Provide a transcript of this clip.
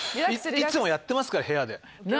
いつもやってますから部屋で。